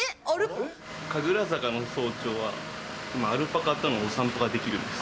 神楽坂の早朝は、今、アルパカとのお散歩ができるんです。